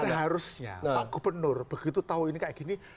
seharusnya pak gubernur begitu tahu ini kayak gini